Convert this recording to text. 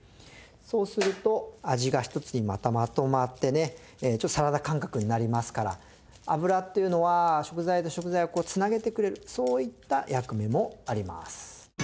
そうすると味がひとつにまとまってねちょっとサラダ感覚になりますから油っていうのは食材と食材をつなげてくれるそういった役目もあります。